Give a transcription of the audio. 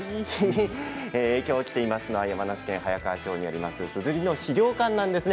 今日来ているのは山梨県早川町にあるすずりの資料館です。